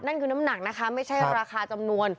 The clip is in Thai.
นั่นคือน้ำหนักนะคะไม่ใช่ราคาจำนวน